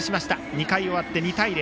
２回終わって２対０。